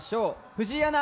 藤井アナ。